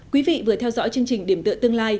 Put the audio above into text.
quý vị vừa theo dõi chương trình điểm cảnh